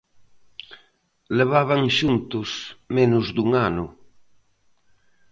Levaban xuntos menos dun ano.